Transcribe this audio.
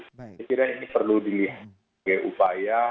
saya kira ini perlu dilihat sebagai upaya